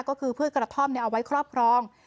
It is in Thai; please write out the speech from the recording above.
ก็คือพืชกระท่อมเอาไว้ครอบครอง